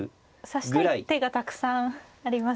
指したい手がたくさんありますね。